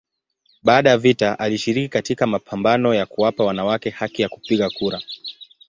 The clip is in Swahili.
Baada ya vita alishiriki katika mapambano ya kuwapa wanawake haki ya kupiga kura.